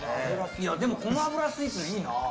でもこの脂スイーツいいな。